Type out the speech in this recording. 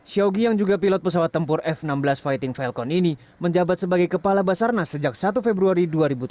syawgi yang juga pilot pesawat tempur f enam belas fighting falcon ini menjabat sebagai kepala basarnas sejak satu februari dua ribu tujuh belas